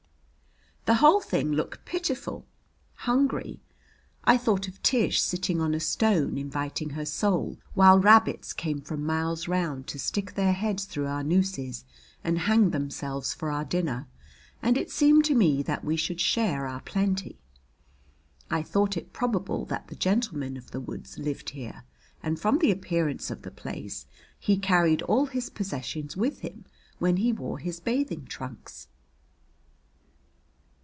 The whole thing looked pitiful, hungry. I thought of Tish sitting on a stone inviting her soul, while rabbits came from miles round to stick their heads through our nooses and hang themselves for our dinner; and it seemed to me that we should share our plenty. I thought it probable that the gentleman of the woods lived here, and from the appearance of the place he carried all his possessions with him when he wore his bathing trunks.